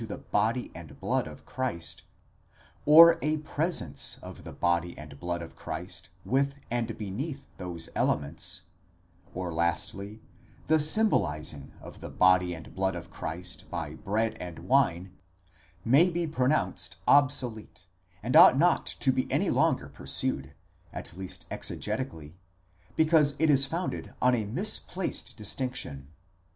the body and blood of Christ, or a presence of the body and blood of Christ with and beneath those elements, or lastly, the symbolizing of the body and blood of Christ by bread and wine,—may be pronounced obsolete, and ought not to be any longer pursued, at least exegetically, because it is founded on a misplaced distinction.